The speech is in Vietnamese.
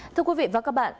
thưa quý vị và các bạn